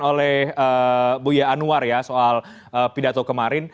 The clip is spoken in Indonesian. oleh buya anwar ya soal pidato kemarin